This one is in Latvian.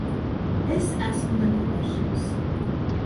Es esmu nenovēršams.